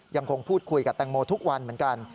ยังคงพูดคุยกับแตงโมทุกวันเหมือนกัน